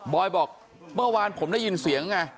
อยบอกเมื่อวานผมได้ยินเสียงไง